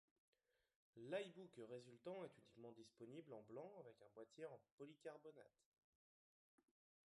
L'iBook résultant est uniquement disponible en blanc avec un boitier en polycarbonate.